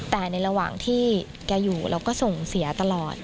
แต่ในระหว่างที่แกอยู่เราก็ส่งเสียตลอด